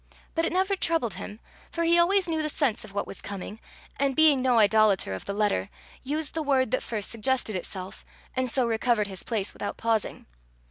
But it never troubled him, for he always knew the sense of what was coming, and being no idolater of the letter, used the word that first suggested itself, and so recovered his place without pausing.